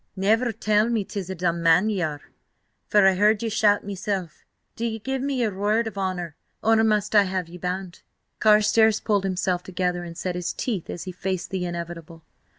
... "Never tell me 'tis a dumb man ye are, for I heard ye shout meself! Do ye give me your word of honour, or must I have ye bound?" Carstares pulled himself together and set his teeth as he faced the inevitable.